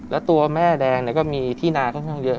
แล้วตัวแม่แดงก็มีที่นาค่อนข้างเยอะ